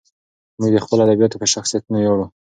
موږ د خپلو ادیبانو په شخصیتونو ویاړو.